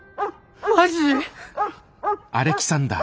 マジ！？